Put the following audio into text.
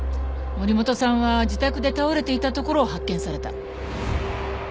森本さんは自宅で倒れていたところを発見された。